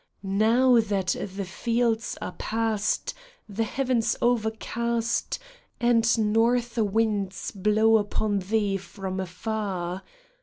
Now that the fields are past, The heavens overcast. And north winds blow upon thee from afar